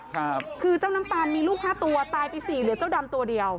หรือเจ้าน้ำตาลมีลูก๕ตัวไม่ค่อยหนีไป๔ตัวเดียว